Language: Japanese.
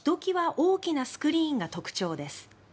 大きなスクリーンが特徴です。